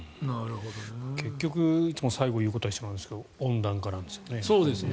結局いつも最後言うことは一緒なんだけど温暖化なんですよね。